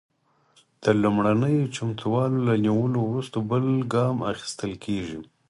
د لومړنیو چمتووالو له نیولو وروسته بل ګام اخیستل کیږي.